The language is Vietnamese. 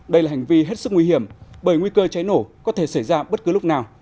đây là hành vi hết sức nguy hiểm bởi nguy cơ cháy nổ có thể xảy ra bất cứ lúc nào